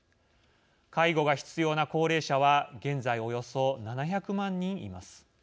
介護が必要な高齢者は現在およそ７００万人います。